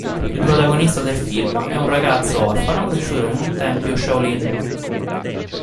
Il protagonista del film è un ragazzo orfano cresciuto in un tempio shaolin.